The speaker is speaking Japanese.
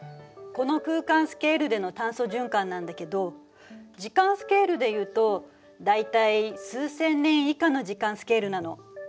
この空間スケールでの炭素循環なんだけど時間スケールで言うと大体数千年以下の時間スケールなの。